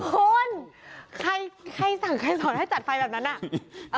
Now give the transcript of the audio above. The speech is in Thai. คุณใครสั่งใครสอนให้จัดไฟแบบนั้นอ่ะ